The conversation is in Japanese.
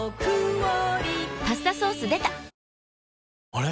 あれ？